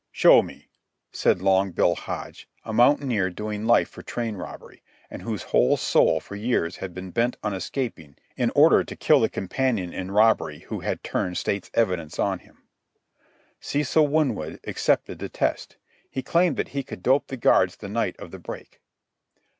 "Show me," said Long Bill Hodge, a mountaineer doing life for train robbery, and whose whole soul for years had been bent on escaping in order to kill the companion in robbery who had turned state's evidence on him. Cecil Winwood accepted the test. He claimed that he could dope the guards the night of the break.